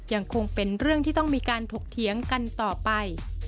ยังคงเป็นเรื่องที่ต้องมีการถกเถียงกันต่อไป